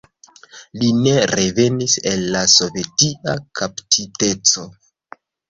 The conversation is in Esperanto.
Li ne revenis el la sovetia kaptiteco.